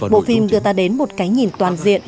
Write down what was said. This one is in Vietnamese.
bộ phim đưa ta đến một cái nhìn toàn diện